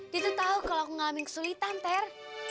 dia tuh tau kalau aku ngalamin kesulitan ter